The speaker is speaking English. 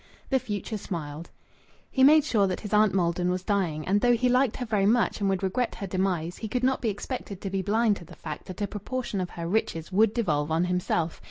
The future smiled. He made sure that his aunt Maldon was dying, and though he liked her very much and would regret her demise, he could not be expected to be blind to the fact that a proportion of her riches would devolve on himself.